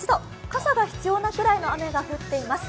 傘が必要なくらいの雨が降っています。